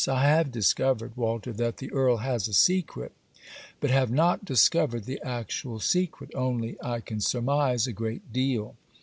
I have discovered, Walter, that the Earl has a secret; but have not discovered the actual secret: only I can surmise a great deal.